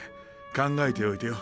考えておいてよ。